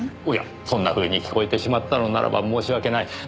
おやそんなふうに聞こえてしまったのならば申し訳ない。